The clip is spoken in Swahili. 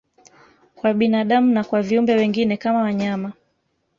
Kwa binadamu na kwa viumbe wengine kama wanyama